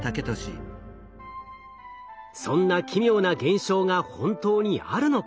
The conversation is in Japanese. そんな奇妙な現象が本当にあるのか？